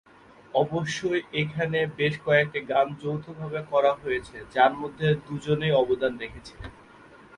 অবশ্যই এখানে বেশ কয়েকটি গান যৌথভাবে করা হয়েছে যার মধ্যে দু'জনেই অবদান রেখেছিলেন।